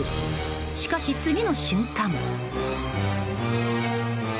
しかし、次の瞬間。